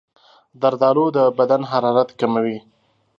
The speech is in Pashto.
زردالو د بدن حرارت کموي.